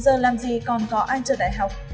giờ làm gì còn có ai trượt đại học